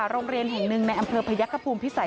โรงเรียนแห่งหนึ่งในอำเภอพยักษภูมิพิสัย